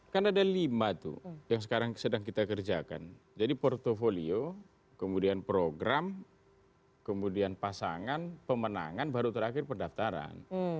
kan ada lima tuh yang sekarang sedang kita kerjakan jadi portfolio kemudian program kemudian pasangan pemenangan baru terakhir pendaftaran